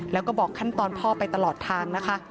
แล้วก็บอกขั้นตอนพ่อไปตลอดทางนะคะ